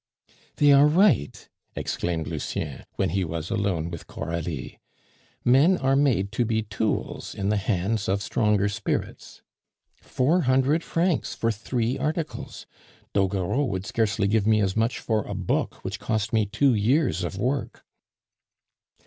"They are right," exclaimed Lucien, when he was alone with Coralie. "Men are made to be tools in the hands of stronger spirits. Four hundred francs for three articles! Doguereau would scarcely give me as much for a book which cost me two years of work."